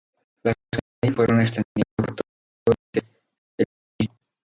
Las comedias se fueron extendiendo por todo el Oriente helenístico.